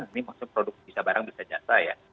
ini maksudnya produk bisa barang bisa jasa ya